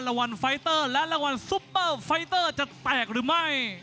รางวัลไฟเตอร์และรางวัลซุปเปอร์ไฟเตอร์จะแตกหรือไม่